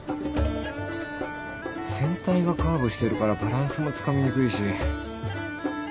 船体がカーブしてるからバランスもつかみにくいし。